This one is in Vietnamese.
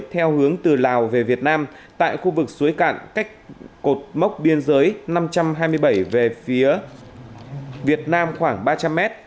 theo hướng từ lào về việt nam tại khu vực suối cạn cách cột mốc biên giới năm trăm hai mươi bảy về phía việt nam khoảng ba trăm linh m